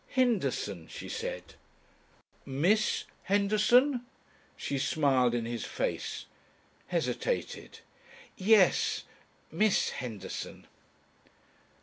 "Henderson," she said. "Miss Henderson?" She smiled in his face hesitated. "Yes Miss Henderson."